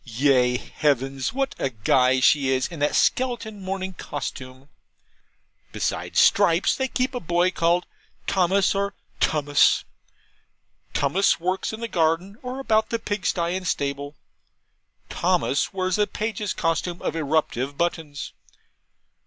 Ye heavens! what a guy she is in that skeleton morning costume! Besides Stripes, they keep a boy called Thomas or Tummus. Tummus works in the garden or about the pigsty and stable; Thomas wears a page's costume of eruptive buttons.